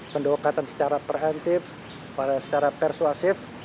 pendokatan secara perhentif secara persuasif